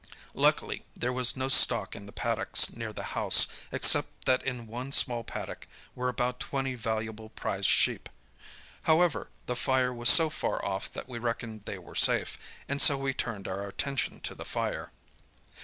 Luckily, there was no stock in the paddocks near the house, except that in one small paddock were about twenty valuable prize sheep. However, the fire was so far off that we reckoned they were safe, and so we turned our attention to the fire.